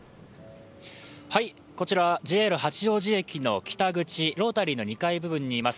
こちら、ＪＲ八王子駅の北口、ロータリーの２階部分にいます。